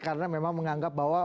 karena memang menganggap bahwa